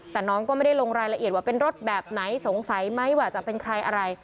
แต่น้องก็ไม่ได้ลงรายละเอียดว่าเป็นรถแบบไหนสงสัยไหมว่าจะเป็นใครอะไร